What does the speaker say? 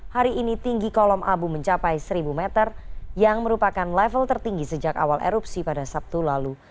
hari ini tinggi kolom abu mencapai seribu meter yang merupakan level tertinggi sejak awal erupsi pada sabtu lalu